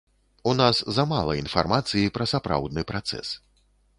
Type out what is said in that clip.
У нас замала інфармацыі пра сапраўдны працэс.